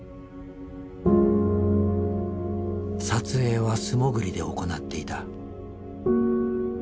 撮影は素潜りで行っていた。